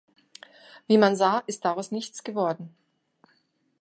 Wie man sah, ist daraus nichts geworden.